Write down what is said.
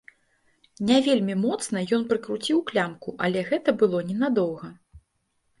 Не вельмі моцна ён прыкруціў клямку, але гэта было ненадоўга.